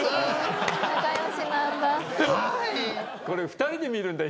これ２人で見るんだ？